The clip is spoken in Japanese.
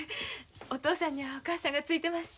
お父さんにはお母さんがついてますし。